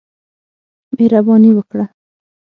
مهرباني وکړه !